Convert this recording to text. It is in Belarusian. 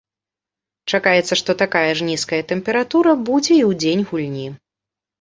Чакаецца, што такая ж нізкая тэмпература будзе і ў дзень гульні.